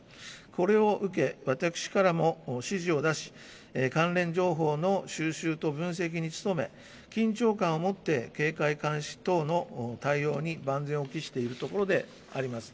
これを受け、私からも指示を出し、関連情報の収集と分析に努め、緊張感を持って警戒監視等の対応に万全を期しているところであります。